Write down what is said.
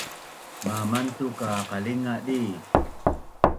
Mamantuk ka qalinga di